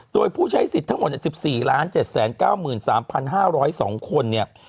โดยผู้ใช้สิทธิ์ทั้งหมด๑๔๗๙๓๕๐๒คนเนี่ย